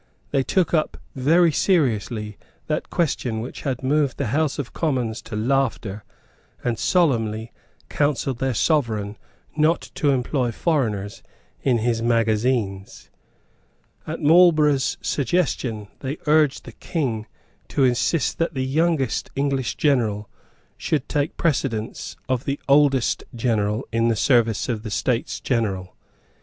They took up very seriously that question which had moved the House of Commons to laughter, and solemnly counselled their Sovereign not to employ foreigners in his magazines. At Marlborough's suggestion they urged the King to insist that the youngest English general should take precedence of the oldest general in the service of the States General.